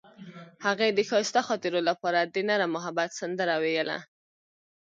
هغې د ښایسته خاطرو لپاره د نرم محبت سندره ویله.